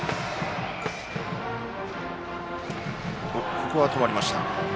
ここは止まりました。